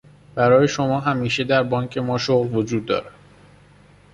برای شما همیشه در بانک ما شغل وجود دارد.